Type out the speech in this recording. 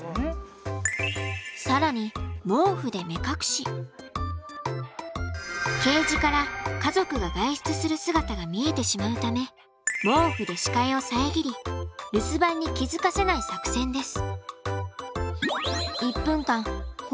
更にケージから家族が外出する姿が見えてしまうため毛布で視界を遮り留守番に気付かせない作戦です。